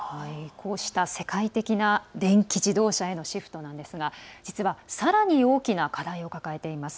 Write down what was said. こうした世界的な電気自動車へのシフトなんですが実は、さらに大きな課題を抱えています。